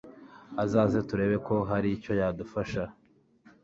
Azaze turebe ko hari icyo yadufasha